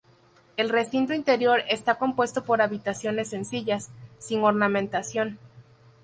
El recinto interior está compuesto por habitaciones sencillas, sin ornamentación.